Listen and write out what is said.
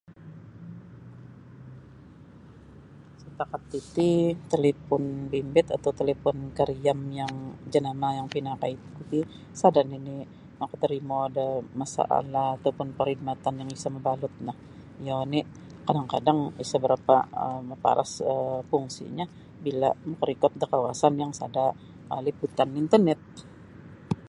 Setakat titi talipon bimbit atau talipon kariam yang jenama yang pinakaiku ti sada nini makatorimo da masalah atau pun perkhidmatan yang isa mabalut no iyo oni kadang-kadang isa barapa maparas fungsinyo bila makarikot da kawasan yang sada liputan internet.